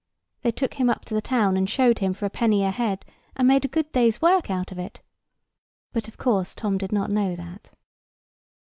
They took him up to the town and showed him for a penny a head, and made a good day's work of it. But of course Tom did not know that.